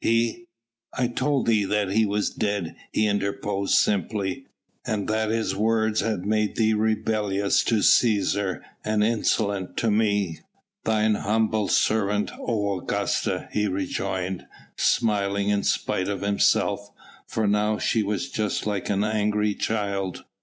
He " "I told thee that He was dead," he interposed simply. "And that his words had made thee rebellious to Cæsar and insolent to me." "Thine humble servant, O Augusta," he rejoined, smiling in spite of himself, for now she was just like an angry child.